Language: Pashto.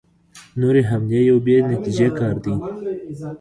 نورې حملې یو بې نتیجې کار دی.